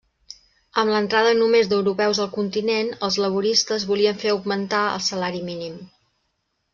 Amb l'entrada només d'europeus al continent, els laboristes volien fer augmentar el salari mínim.